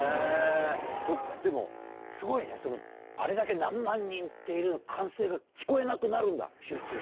そっか、でもすごいね、あれだけ何万人っている歓声が聞こえなくなるんだ？